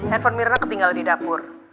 handphone mirna ketinggal di dapur